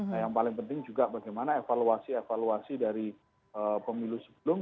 nah yang paling penting juga bagaimana evaluasi evaluasi dari pemilu sebelum